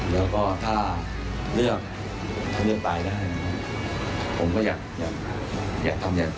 แล้วก็ถ้าเลือกถ้าเลือกไปได้นะครับผมก็อยากอยาก